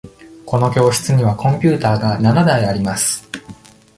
この教室にはコンピューターが七台あります。